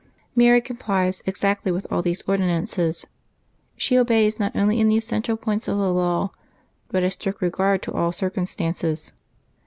Mary complies exactly with all these ordinances. She obeys not only in the essential points of the law, but has strict regard to all the circumstances.